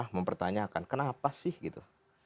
mempertanyakan kenapa sih gitu